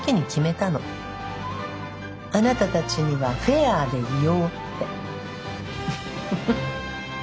あなたたちにはフェアでいようって。